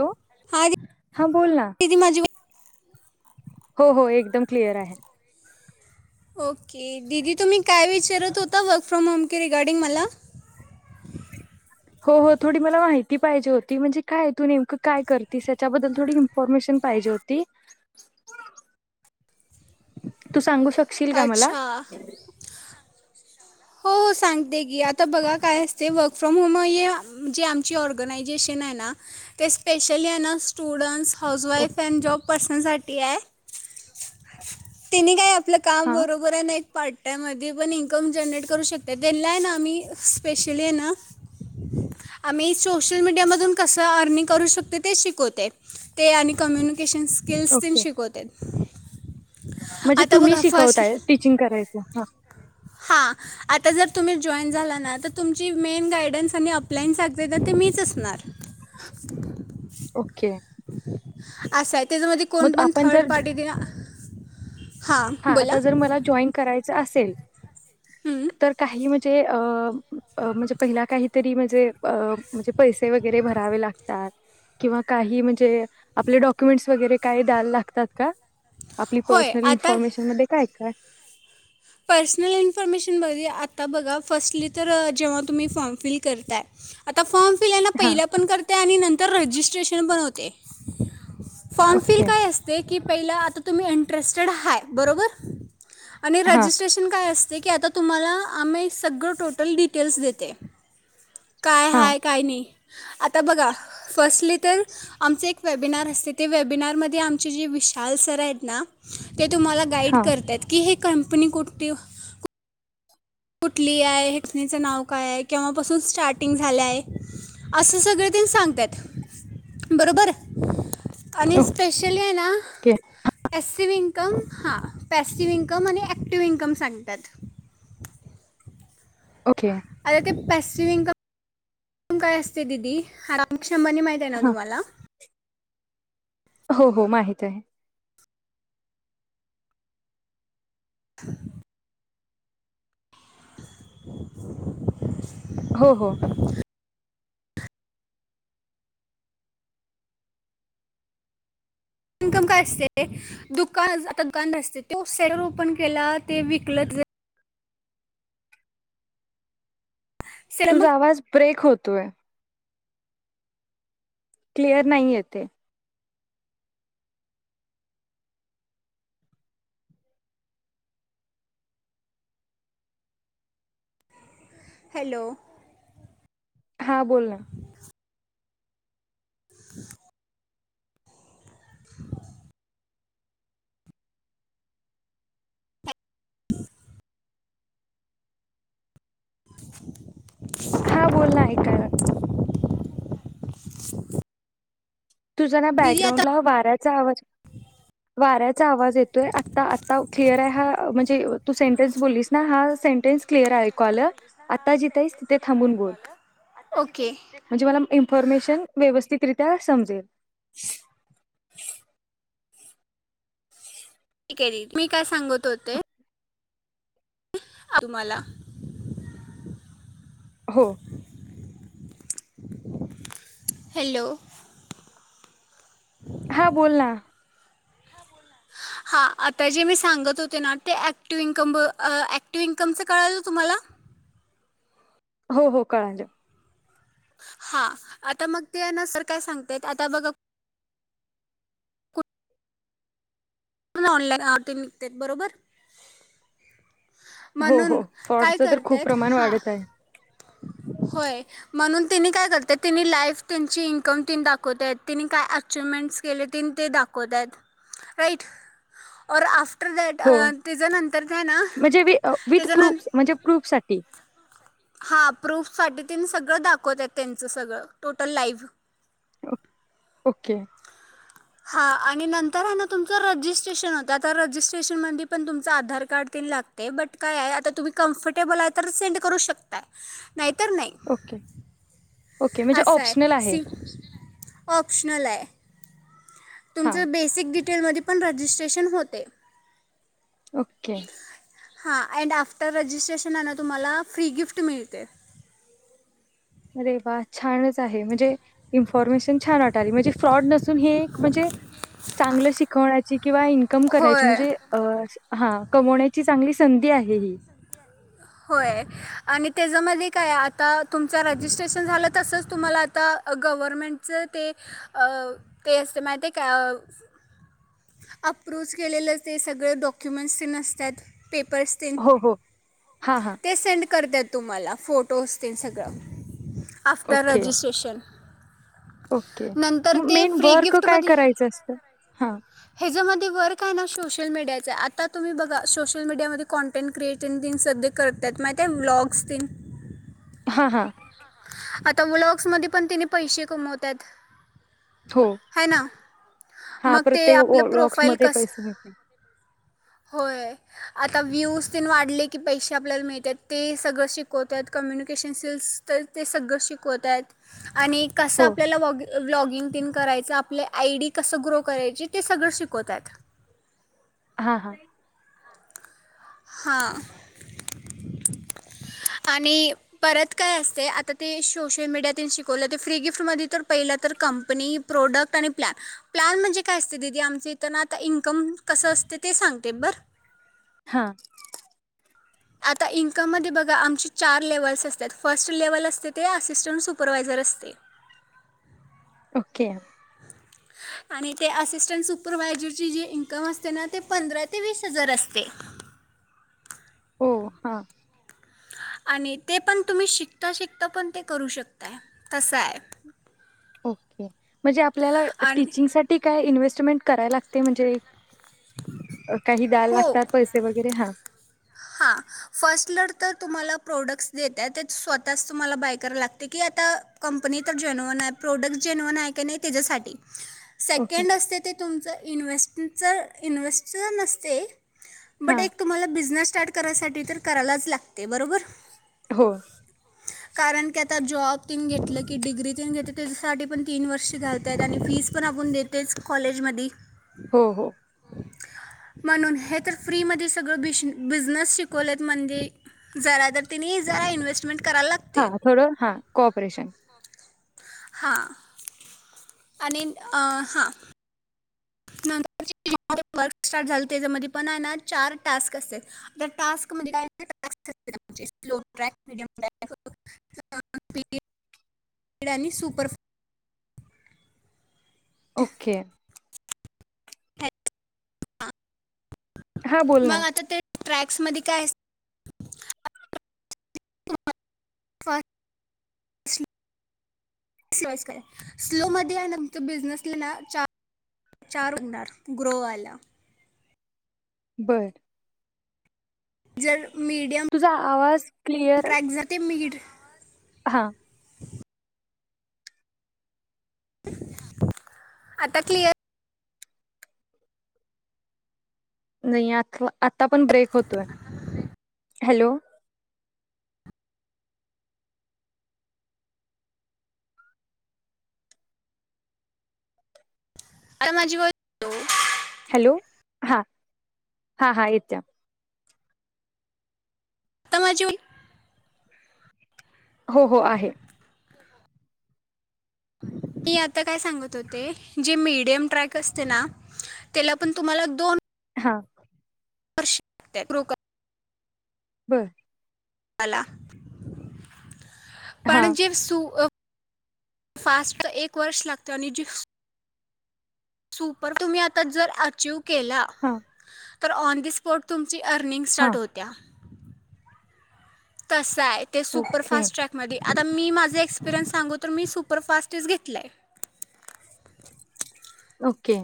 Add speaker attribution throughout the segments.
Speaker 1: Hello,
Speaker 2: हा
Speaker 1: हां बोल ना.
Speaker 2: दीदी माझी
Speaker 1: हो हो, एकदम क्लिअर आहे.
Speaker 2: ओके की दिदी तुम्ही, काय विचारत होता? वर्क फ्रॉम होम रिगार्डिंग मला
Speaker 1: हो हो थोडी मला माहिती पाहिजे होती. नेमकं काय तू काय करतेस, त्याच्याबद्दल मला इन्फॉर्मेशन पाहिजे होती. शील का मला
Speaker 2: अच्छा हो हो सांग की आता बघा, काय असतं बघ फ्रॉम होम हे जे आमची ऑर्गनायजेशन आहे, ना ते स्पेशली हे न स्टुडंट्स हाऊस
Speaker 1: ओ-
Speaker 2: वाईफ, जॉब पर्सन साठी आहे. काम
Speaker 1: हा
Speaker 2: बरोबर येत पार्ट टायममध्ये पण इन्कम जनरेट करू शकते त्यांना आहे, ना आम्ही स्पेशली आहे, ना आम्ही सोशल मीडियामधून कसं अर्निंग करू शकते, ते शिकवते ते आणि कम्युन केशन स्किल्स, त
Speaker 1: ओके
Speaker 2: शिकवतेत.
Speaker 1: म्हणजे
Speaker 2: आता
Speaker 1: तुम्ही
Speaker 2: बघा
Speaker 1: शिकवताय, टीचिंग करायचं.
Speaker 2: हां आता जर तुम्ही जॉईन झाला ना, तर तुमची मेन गायडन्स आणि ऑफलाईन तर ते मीच असणार.
Speaker 1: ओके
Speaker 2: असंय त्याच्यामध्ये
Speaker 1: मग
Speaker 2: कोण पण
Speaker 1: आपण
Speaker 2: थर्ड
Speaker 1: जर
Speaker 2: पार्टी दि
Speaker 1: हा आ जर मला जॉईन करायच असेल
Speaker 2: हं.
Speaker 1: तर काही म्ह म्हणजे प काहीतरी म म्हणजे म्हण पैसे वगैरे भरावे लागतात किंवा काही म्हणजे आपले डॉक्युमेंट वगैरे काहि द्यायला लागतात का? आपली
Speaker 2: होय
Speaker 1: पर्
Speaker 2: आता
Speaker 1: इन्फॉर्मेशन मध्ये काय काय
Speaker 2: पर्सनल इन्फॉर्मेशन ब आता बघा फर्स्टली तर जेव्हा तुम्ही फॉर्म फिल करताय आता फॉर्म पना
Speaker 1: हां,
Speaker 2: पहिला पण करते आणि तर रजिस्ट्रेशन बनवते. Form fill
Speaker 1: okay.
Speaker 2: काय असते की पहि आ तुम्ही इंरड ब
Speaker 1: हां,
Speaker 2: रजिस्ट्रेन काय आहे. ज की आता तुम्हाला आम्ही सगळं टोटल डिटेल्स देते. काय
Speaker 1: हां,
Speaker 2: हाय काय नाही. आता बघा फर्स्ट तर आमच एक वेबिनार असते ते वेबिनार मध्ये आमचे जे विशाल सर आहेत ना. ते तुम्हाला गाईड
Speaker 1: हां.
Speaker 2: करतात की हे. [unintelligible] प कुठे? कुठली आहे हेसनीचं नाव काय आहे कव्हापसून स्टार्टिंग झालं आहे असं सगळ ते सांगतात बरोबर. आणि स्पेशली आहे ना
Speaker 1: okay,
Speaker 2: S C being income हा पॅसिटिव्ह इन्कम आणि ॲक्टिव इन्कम सांगतात.
Speaker 1: ओके.
Speaker 2: [unintelligible] पॅसिफ काय असते दिदी हरा शंभरनी माहिती आहे ना
Speaker 1: हां.
Speaker 2: तुम्हाला.
Speaker 1: हो हो माहित आहे.
Speaker 2: ह. [unintelligible]
Speaker 1: हो हो.
Speaker 2: इनकम काय असते दुकान आता गांध असते त साटर ओपन केला ते विकल सेलर मग
Speaker 1: तुझा आवाज ब्रेक होत. ते क्लिअर नाही येते.
Speaker 2: हॅलो
Speaker 1: हा बोल ना
Speaker 2: [inaudible] [inaudible]
Speaker 1: हा बोल ना ऐकायला लागलं. तुझा ना
Speaker 2: दीदी आता
Speaker 1: बॅकग्राउंड ह वाराच वाज वाऱ्याच वाऱ्याचा आवाज येतोय. आत्ता आत्ता क्लियर हा म्हणजे तू सेंटेन्स बोललीस ना हा सेंटे्स क्लिअर आहे. ऐकू आलं आता जथ आहेस तिथे थांबून बोल
Speaker 2: ओके
Speaker 1: म्हणजे मला इन्फॉर्मेशन व्यवस्थित मिळेन. तृप्या समजेल [unintelligible]
Speaker 2: ठीक आहे मी काय सांगत होते. आ तुम्हाला
Speaker 1: हो
Speaker 2: हॅलो
Speaker 1: हा बोल ना
Speaker 2: हा आता जे मी सांगत होते ना ते ऍक्टिव इन्कम ऍक्टिव इन्कमच कळाच तुम्हाला
Speaker 1: हो हो कळालं.
Speaker 2: हा आता मग ते न सर काय सांगतायत आता बघा ऑनलाइन आवती निघत बरोबर
Speaker 1: हो हो
Speaker 2: म्हणून काय
Speaker 1: फॉडच तर खूप
Speaker 2: करतायत
Speaker 1: प्रमाण
Speaker 2: हां
Speaker 1: वाढत आहे.
Speaker 2: होय म्हणून तनी काय करतय तिनी लाईफ त्यांची इन्कम त दाखवत तिनी काय अचवमेंट केले त ते दाखवत आहेत राईट और आप
Speaker 1: हो म्हणजे विथ प्रूफ म्हणजे प्रूफ साठी
Speaker 2: हा प्रूफ साठी त्यां सगळं दाखवत आहेत त्यांचं सगळं टोटल लाईव्ह
Speaker 1: ओके
Speaker 2: हा आणि नंतर आहे ना तुमच रजिस्ट्रेशन होत आ रजिस्ट्रेशन पण तुमच आधार कार्ड लागते बट काय आता तुम्ही कमफर्टेबल आहे तर सेंड करू शकता. नाहीतर नाही
Speaker 1: ओके ओके म्हणजे
Speaker 2: अससं आहे
Speaker 1: ऑप्शनल
Speaker 2: सि ऑप्शनल आहे.
Speaker 1: हां
Speaker 2: तुमचं बेसिक टेलमध्ये पण रजिस्ट्रेशन होते.
Speaker 1: ओके
Speaker 2: हा अँड आफ्टर रजिस्ट्रेशन तुम्हाला फ्री गिफ्ट मिळते.
Speaker 1: अरे बा छानच आहे म्हणजे इन्फॉर्मेशन छान वाट म्हणजे फ्रॉड नसुन हे म्हणजे चागलं शिकवण्याची किंवा कम करायची
Speaker 2: होय
Speaker 1: म्हणजे अ हा कमवण्याची चांगली संधी आहे ही
Speaker 2: होय आणि त्याच्यामध्ये काय आता तुमच रजिस्ट्रेशन झालं तसंच तुम्हाला आता गव्हर्मेंटच ते ते असते माहि काय अप्रुव केलेलं ते सगळं डॉक्युमेंटस ते नसतात पेपर्सतीलन
Speaker 1: हो हो हां हां
Speaker 2: ते संड कर करते तुम्हाला फोटो असतील सगळं आफ्टर
Speaker 1: ओके
Speaker 2: रजिस्ट्रेशन
Speaker 1: ओके
Speaker 2: नंतर
Speaker 1: मग
Speaker 2: ते
Speaker 1: मेन
Speaker 2: फ्री
Speaker 1: वर्क
Speaker 2: गिप्ट
Speaker 1: काय
Speaker 2: मध्ये
Speaker 1: करायचं असतं हां
Speaker 2: हेच्या मध्ये वर काय ना शोष सोशल मीडियाच आहे आता तुम्ही बघा सोशल मीडियामध्ये कॉन्टेट क्रिएटन दिन सध्या करतात माहित आहे ते ब्लॉग्स तेन
Speaker 1: हा हा
Speaker 2: आता ब्लॉक्समध्ये पण तेनी पैसे कमवत्यात
Speaker 1: हो हा
Speaker 2: मग ते
Speaker 1: प्रत्येक
Speaker 2: आपलं
Speaker 1: लॉक्स
Speaker 2: प्रोफाईल
Speaker 1: मध्ये
Speaker 2: कस
Speaker 1: पैसे मिळत्यात
Speaker 2: होय आता व्ह्यूज तेन वाढले की पैसे आपल्याला मिळत्यात ते सगळं शिकवत्यात कम्युनिकेशन स्किल्स तर ते सगळं शिकवतात आणि कसं
Speaker 1: हो
Speaker 2: आपल्याला वॉग ब्लॉगिंग तेन करायचं आपले आय डी कस ग्रो करायचे ते सगळं शिक शिकोतात
Speaker 1: हा हा
Speaker 2: हा आणि परत काय असते आता ते सोशल मीडियातील शिकवलं ते फ्री गिफ्टमध्ये तर पहिलं तर कंपनी प्रोडक्ट आणि प्लॅन प्लॅन म्हणजे काय असते दीदी आमच इथ ना आता इन्कम कसं असते ते सांगते बरं
Speaker 1: हा
Speaker 2: आता इन्कममध्ये बघा आमचे चार लेवल्स असतात फर्स्ट लेवल असते ते असिस्टंट सुपरवायझर असते
Speaker 1: ओके
Speaker 2: आणि ते असिस्टंट सुपरवायझरची जे इन्कम असते ना ते पंधरा ते वीस हजार असते.
Speaker 1: हो हा
Speaker 2: आणि ते पण तुम्ही शिकता शिकता पण ते करू शकताय तसं आहे.
Speaker 1: ओके म्हणजे आपल्याला
Speaker 2: आणि
Speaker 1: टीचिंग साठी काय इन्व्हेस्ट कमेंट करायला लागते म्हणजे काही द्यायला
Speaker 2: हो
Speaker 1: लागतात पैसे वगैरे हा
Speaker 2: हां फर्स्ट लड तर तुम्हाला प्रोडक्ट्स देत्यात ते स्वतःच तुम्हाला बाय करावं लागते की आता कंपनी तर जेन्युअन आहे प्रोडक्ट्स जेन्युन आहे की नाही त्याच्यासाठी
Speaker 1: ओके
Speaker 2: सेकंड असते ते तुमचं इन्वेस्ट जर इन्व्हेस्टर नसते बट
Speaker 1: हां
Speaker 2: एक तुम्हाला बिझनेस स्टार्ट करायसाठी तर करायलाच लागते बरोबर
Speaker 1: हो
Speaker 2: कारण कि आता जॉब तेन घेतलं की डिग्री तेन घेत्यात त्याच्यासाठी पण तीन वर्ष घालतायत आणि फीस पण आपण देतोयच की कॉलेज मधी
Speaker 1: हो हो
Speaker 2: म्हणून हे तर फ्री मध्ये सगळं बिशी बिझ बिजनेस शिकवलेत म्हणजे जरा तर तिने जरा इन्व्हेस्ट
Speaker 1: हा थोडं हा कोऑपरेशन
Speaker 2: हां आणि अ हां. नंतर [unintelligible] जे वर्क स्टार्ट झालं त्याच्यामध्ये पण आहे ना चार टास्क असत्यात त्या टास्क मध्ये काय [unintelligible] लो ट्रॅक, मिडीयम ट्रॅक, [unintelligible] आणि सुपर
Speaker 1: ओके
Speaker 2: फास्ट.
Speaker 1: हां बोल ना
Speaker 2: मग आता ते ट्रॅक स मध्ये काय [unintelligible] [unintelligible] स्लो मध्ये आहे ना तुमचा बिझनेस आहे ना चार होणार ग्रो वाला.
Speaker 1: बरं
Speaker 2: जर मीडियम
Speaker 1: तुझा आवाज क्लिअर-
Speaker 2: ट्रॅक जर ते मीड
Speaker 1: हा
Speaker 2: आता क्लिअर
Speaker 1: नाही आथवा आता पण ब्रेक होतोय. हॅलो
Speaker 2: अर माझी [unintelligible]
Speaker 1: हॅलो हा हा हा येतिया.
Speaker 2: [unintelligible]
Speaker 1: हो हो आहे. [unintelligible]
Speaker 2: मी आता काय सांगत होते, जे मीडियम ट्रॅक असते ना, त्याला पण तुम्हाला दोन-
Speaker 1: हा
Speaker 2: वर्ष लागतय ग्रो कर-
Speaker 1: बर
Speaker 2: यला
Speaker 1: हां
Speaker 2: पण जे सू - फास्ट एक वर्ष लागतो, आणि जि- सुपर तुम्ही आता जर आचीव्ह- केला,
Speaker 1: हां
Speaker 2: तर ऑन द स्पॉट तुम - ची अर्निंग
Speaker 1: हां
Speaker 2: स्टार्ट होत्या. तस य ते
Speaker 1: ओके
Speaker 2: सुपरफास्ट ट्रॅकमध्ये आता मी माझं एक्सपिरियन्स सांगु तर मी सु- सुपरफास्टच घेतलंय.
Speaker 1: ओके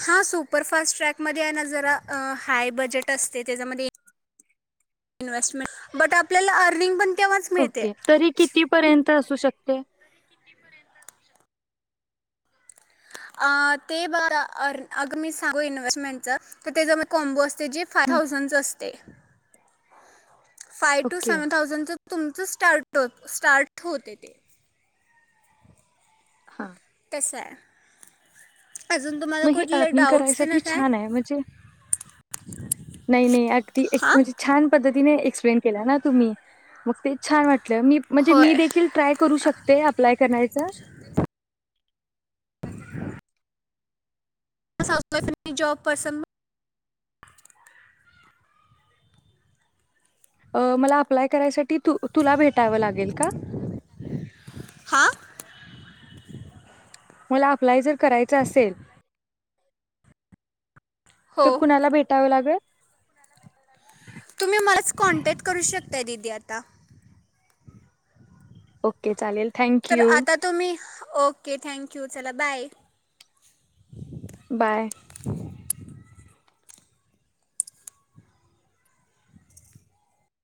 Speaker 2: हा सुपरफास्ट ट्रॅकमध्ये आहे ना जरा हाय बजेट असते, त्याच्यामध्ये- इन्व्हेस्टमेंट बट आपल्याला अर्निंग पण- तेव्हाच मिळते
Speaker 1: ओके तरी कितीपर्यंत असू शक ते.
Speaker 2: अ ते ब अग मी सांगू इन्व्हेस्टमेंटच तर त्याच्या मधी कॉम्बो अस ते जे
Speaker 1: हं,
Speaker 2: फायथाउजंटच अस ते. Five two
Speaker 1: okay
Speaker 2: seven thousand च तुमचं स्टार्ट स्टार्ट होते ते.
Speaker 1: हा.
Speaker 2: अस आहे. अजून तुम्हाला
Speaker 1: मग हे
Speaker 2: कुठले
Speaker 1: अर्निंग
Speaker 2: डाऊट्स ते
Speaker 1: करायसाठी
Speaker 2: नसं
Speaker 1: छान आहे म्हणजे नाही नाही अगदी एक
Speaker 2: हां
Speaker 1: म्हणजे छान पद्धतीने एक्सपेन केल ना तुम्ही मग ते छान वाट ल मी म्हणजे मी
Speaker 2: होय
Speaker 1: देखील ट्राय करू शकते अप्लाय करायच
Speaker 2: [unintelligible]
Speaker 1: अ मला अप्लाय करायसाठी तू तुला भेटावं लागेल का?
Speaker 2: हां
Speaker 1: मला अप्लाय जर करायच असेल तर
Speaker 2: हो
Speaker 1: कुणाला भेटावं लागेल? [unintelligible]
Speaker 2: तुम्ही मलाच कॉन्टॅक्ट करू शकताय दिदी आता.
Speaker 1: ओके चालेल. थँक
Speaker 2: तर
Speaker 1: यू.
Speaker 2: आता तुम्ही ओके थँक्यू चला बाय.
Speaker 1: बाय.